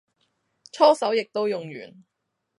搓手液都用完